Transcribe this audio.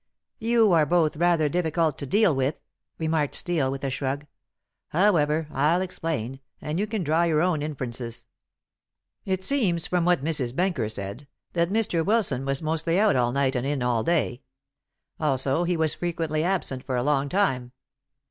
"You are both rather difficult to deal with," remarked Steel, with a shrug. "However, I'll explain, and you can draw your own inferences. It seems from what Mrs. Benker said that Mr. Wilson was mostly out all night and in all day. Also he was frequently absent for a long time.